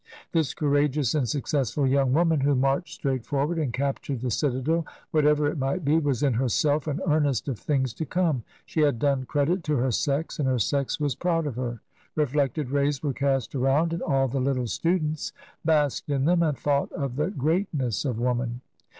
This courageous and successful young woman who marched straight forward and captured the citadel — whatever it might be — ^was in herself an earnest of things to come ; she had done credit to her sex and her sex was proud of her ; reflected rays were cast around, and all the little students basked in them and thought of the greatness of woman.